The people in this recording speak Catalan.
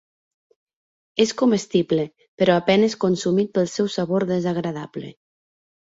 És comestible però a penes consumit pel seu sabor desagradable.